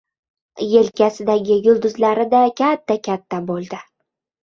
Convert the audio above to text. Yelkasidagi yulduzlari-da katta-katta bo‘ldi.